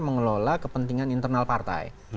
mengelola kepentingan internal partai